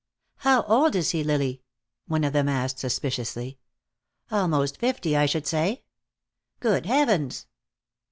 "How old is he, Lily?" one of them asked, suspiciously. "Almost fifty, I should say." "Good heavens!"